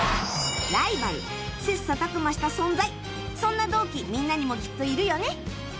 ライバル切磋琢磨した存在そんな同期みんなにもきっといるよね